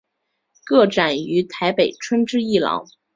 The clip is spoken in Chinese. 个展于台北春之艺廊。